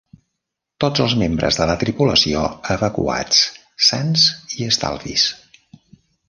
Tots els membres de la tripulació evacuats sans i estalvis.